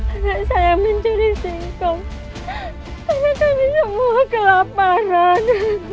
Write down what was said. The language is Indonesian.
anak saya mencuri singkong tapi kami semua kelaparan